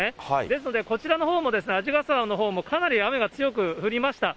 ですので、こちらのほうも、鰺ヶ沢のほうも、かなり雨が強く降りました。